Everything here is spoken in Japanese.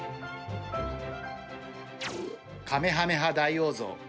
カメハメハ大王像